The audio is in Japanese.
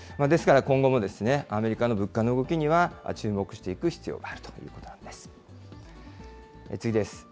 ですから、今後もアメリカの物価の動きには注目していく必要があるということなんです。